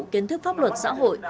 kiến thức pháp luật xã hội